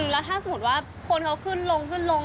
แล้วถ้าสมมุติว่าคนเขาขึ้นลงขึ้นลง